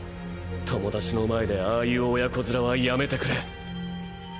友達の前でああいう親子面はやめてくれ。